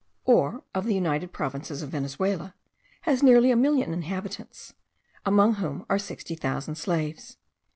or of the united provinces of Venezuela, has nearly a million of inhabitants, among whom are sixty thousand slaves.